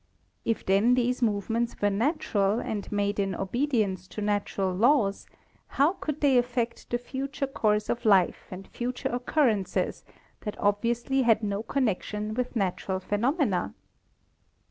If then these movements were natural and made in obedience to natural laws, how could they affect the future course of life and future occurrences that obviously had no connection with natural phenomena?